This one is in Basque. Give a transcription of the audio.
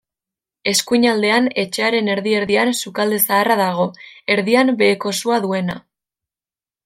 Eskuinaldean, etxearen erdi-erdian, sukalde zaharra dago, erdian beheko sua duena.